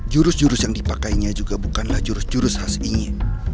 jurus jurus yang dipakainya juga bukanlah jurus jurus khas ingin